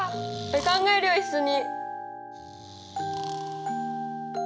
考えるよ一緒に。